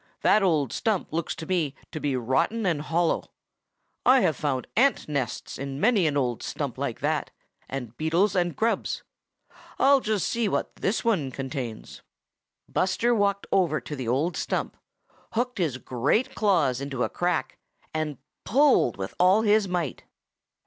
That old stump looks to me to be rotten and hollow. I have found ant nests in many an old stump like that, and beetles and grubs. I'll just see what this one contains." Buster walked over to the old stump, hooked his great claws into a crack, and pulled with all his might.